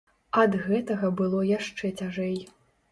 Ад гэтага было яшчэ цяжэй.